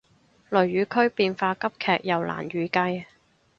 雷雨區變化急劇又難預計